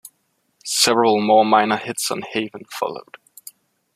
Several more minor hits on Haven followed.